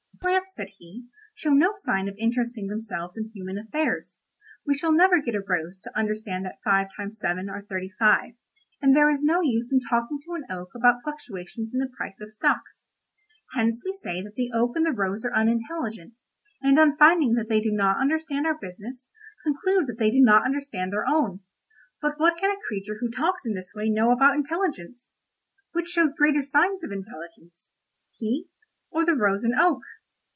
"Plants," said he, "show no sign of interesting themselves in human affairs. We shall never get a rose to understand that five times seven are thirty five, and there is no use in talking to an oak about fluctuations in the price of stocks. Hence we say that the oak and the rose are unintelligent, and on finding that they do not understand our business conclude that they do not understand their own. But what can a creature who talks in this way know about intelligence? Which shows greater signs of intelligence? He, or the rose and oak?